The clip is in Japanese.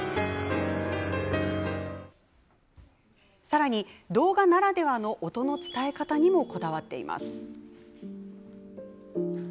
さらに、動画ならではの音の伝え方にもこだわっています。